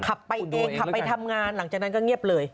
ขับไปเองขับไปทำงานหลังจากนั้นก็เงียบเลย